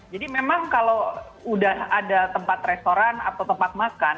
jadi memang kalau udah ada tempat restoran atau tempat makan